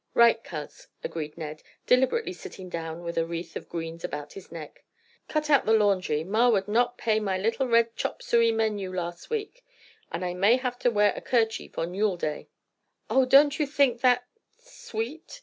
"Right, Coz," agreed Ned, deliberately sitting down with a wreath of greens about his neck. "Cut out the laundry, ma would not pay my little red chop suey menu last week, and I may have to wear a kerchief on Yule day." "Oh, don't you think that—sweet!"